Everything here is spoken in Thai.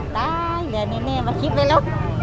ได้อย่าแน่มาคลิปเลยล่ะ